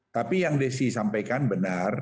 tapi yang desi sampaikan benar